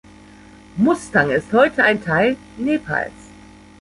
Mustang ist heute ein Teil Nepals.